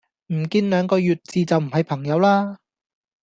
唔見兩個月字就唔係朋友啦